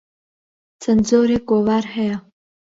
چەند جۆرێک گۆڤار هەیە.